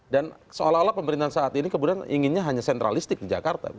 dan seolah olah pemerintahan saat ini kemudian inginnya hanya sentralistik di jakarta